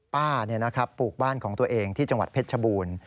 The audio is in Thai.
ป้าปลูกบ้านของตัวเองที่จังหวัดเพชรชบูรณ์